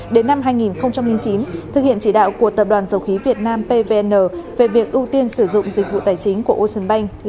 đến năm hai nghìn chín thực hiện chỉ đạo của tập đoàn dầu khí việt nam pvn về việc ưu tiên sử dụng dịch vụ tài chính của ocean bank